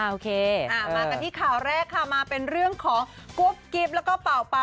โอเคมากันที่ข่าวแรกค่ะมาเป็นเรื่องของกุ๊บกิ๊บแล้วก็เป่า